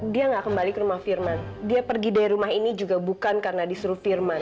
dia nggak kembali ke rumah firman dia pergi dari rumah ini juga bukan karena disuruh firman